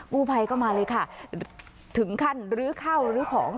ผู้ภัยก็มาเลยค่ะถึงขั้นลื้อข้าวลื้อของ